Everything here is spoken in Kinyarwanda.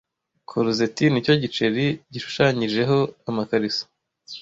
Corzetti nicyo giceri gishushanyijeho amakariso